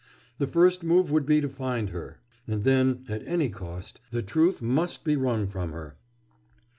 The first move would be to find her. And then, at any cost, the truth must be wrung from her.